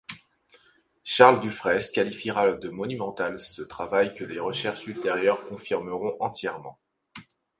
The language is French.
Charles Dufraisse qualifiera de monumental ce travail que les recherches ultérieures confirmeront entièrement.